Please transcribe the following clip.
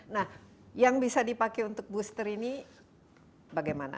nah yang bisa dipakai untuk booster ini bagaimana